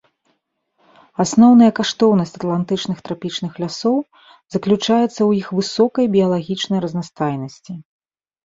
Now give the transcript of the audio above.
Асноўная каштоўнасць атлантычных трапічных лясоў заключаецца ў іх высокай біялагічнай разнастайнасці.